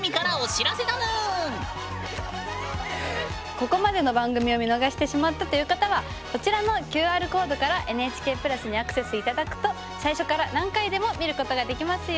ここまでの番組を見逃してしまったという方はこちらのＱＲコードからＮＨＫプラスにアクセス頂くと最初から何回でも見ることができますよ。